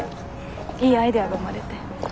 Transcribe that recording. いいアイデアが生まれて。